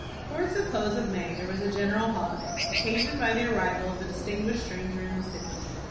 Towards the close of May there was a general holiday, occasioned by the arrival of a distinguished stranger in the city.